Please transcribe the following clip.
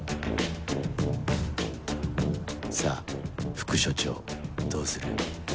さぁ副署長どうする？